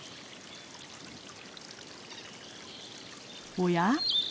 おや？